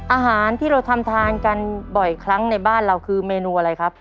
อาหารที่เราทำทานกันบ่อยครั้งในบ้านเราคือเมนูอะไรครับ